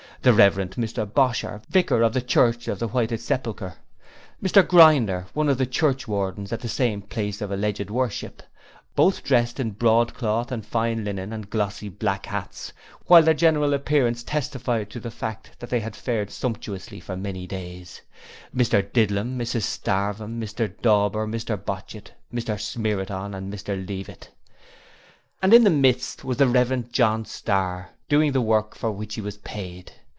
The Rev. Mr Bosher, Vicar of the Church of the Whited Sepulchre, Mr Grinder one of the churchwardens at the same place of alleged worship both dressed in broadcloth and fine linen and glossy silk hats, while their general appearance testified to the fact that they had fared sumptuously for many days. Mr Didlum, Mrs Starvem, Mr Dauber, Mr Botchit, Mr Smeeriton, and Mr Leavit. And in the midst was the Rev. John Starr, doing the work for which he was paid.